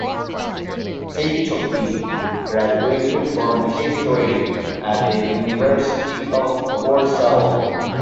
Cichocki graduated from history at the University of Warsaw.